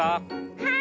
はい！